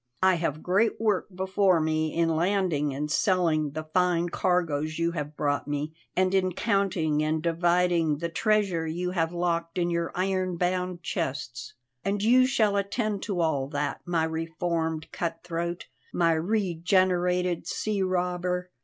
I have great work before me in landing and selling the fine cargoes you have brought me, and in counting and dividing the treasure you have locked in your iron bound chests. And you shall attend to all that, my reformed cutthroat, my regenerated sea robber.